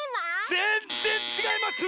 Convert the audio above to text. ぜんぜんちがいます！